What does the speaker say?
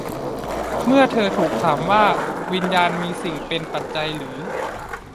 เมื่อเธอถูกถามว่า วิญญาณมีสิ่งเป็นปัจจัยหรือ